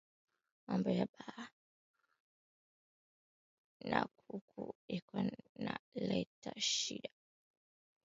Mambo ya ba nkuku iko na leta shida ndani ya barimaji